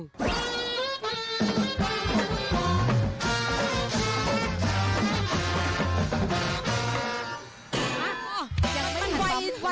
ค่ะ